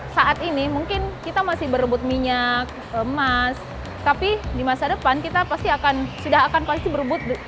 saat ini mungkin kita masih berebut minyak emas tapi di masa depan kita pasti akan sudah akan pasti berebut